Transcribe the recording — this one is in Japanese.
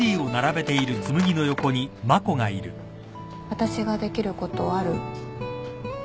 私ができることある？